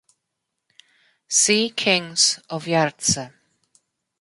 C. Kings of Ya rtse.